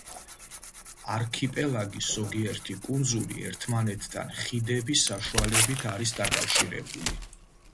არქიპელაგის ზოგიერთი კუნძული ერთმანეთთან ხიდების საშუალებით არის დაკავშირებული.